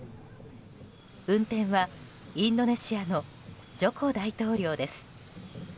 運転は、インドネシアのジョコ大統領です。